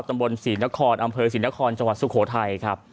ตำบลศรีนครอำเภอศรีนครจังหวัดสุโขทัยครับ